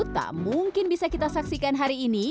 tak mungkin bisa kita saksikan hari ini